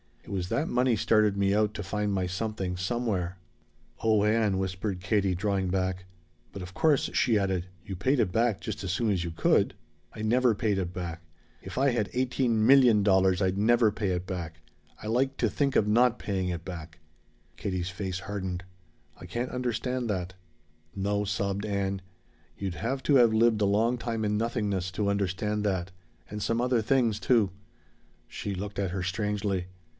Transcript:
It was that money started me out to find my Something Somewhere." "Oh Ann!" whispered Katie, drawing back. "But of course," she added, "you paid it back just as soon as you could?" "I never paid it back! If I had eighteen million dollars, I'd never pay it back! I like to think of not paying it back!" Katie's face hardened. "I can't understand that." "No," sobbed Ann, "you'd have to have lived a long time in nothingness to understand that and some other things, too." She looked at her strangely.